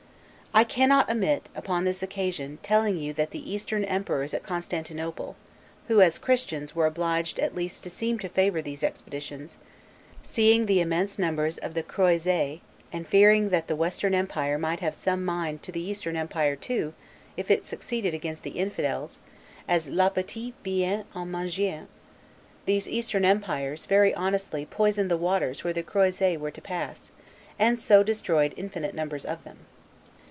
I cannot omit, upon this occasion, telling you that the Eastern emperors at Constantinople (who, as Christians, were obliged at least to seem to favor these expeditions), seeing the immense numbers of the 'Croisez', and fearing that the Western Empire might have some mind to the Eastern Empire too, if it succeeded against the Infidels, as 'l'appetit vient en mangeant'; these Eastern emperors, very honestly, poisoned the waters where the 'Croisez' were to pass, and so destroyed infinite numbers of them.